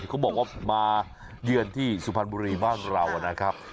เขาบอกว่ามาเยือนที่สุพรรณบุรีบ้านเรานะครับ